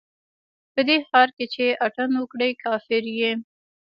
په دې ښار کښې چې اتڼ وکړې، کافر يې